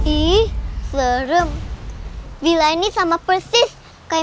ih serem bila ini sama persis